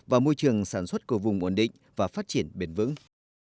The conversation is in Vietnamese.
và môi trường sản xuất của vùng ổn định và phát triển bền vững